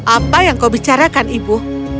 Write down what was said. apa yang kau bicarakan ibu